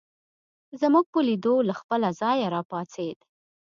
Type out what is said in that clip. زموږ په لیدو له خپله ځایه راپاڅېد.